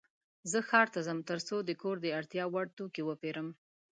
زه ښار ته ځم ترڅو د کور د اړتیا وړ توکې وپيرم.